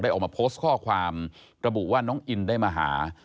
ออกมาโพสต์ข้อความระบุว่าน้องอินได้มาหา